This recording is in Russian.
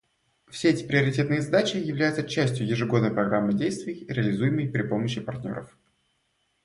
Все эти приоритетные задачи являются частью ежегодной программы действий, реализуемой при помощи партнеров.